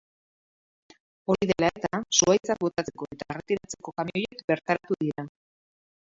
Hori dela eta, zuhaitzak botatzeko eta erretiratzeko kamioiak bertaratu dira.